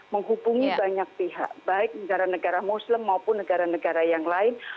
menghubungi banyak pihak baik negara negara muslim maupun negara negara yang lain